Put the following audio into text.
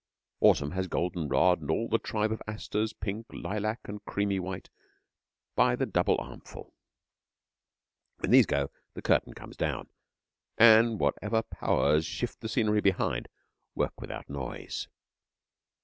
Autumn has golden rod and all the tribe of asters, pink, lilac, and creamy white, by the double armful. When these go the curtain comes down, and whatever Powers shift the scenery behind, work without noise.